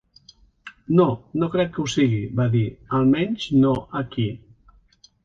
"No, no crec que ho sigui", va dir. "Almenys, no aquí."